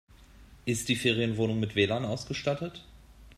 Ist die Ferienwohnung mit WLAN ausgestattet?